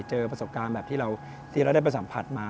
เจอประสบการณ์แบบที่เราได้ไปสัมผัสมา